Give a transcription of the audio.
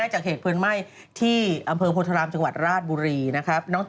อ๋ออย่าถามคะเราไม่นอน